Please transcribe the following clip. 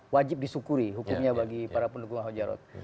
wajib disyukuri hukumnya bagi para pendukung ahok jarot